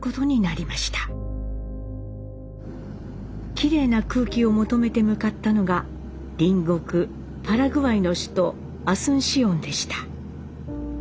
きれいな空気を求めて向かったのが隣国パラグアイの首都アスンシオンでした。